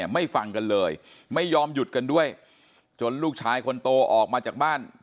ไม่ฟังกันเลยไม่ยอมหยุดกันด้วยจนลูกชายคนโตออกมาจากบ้าน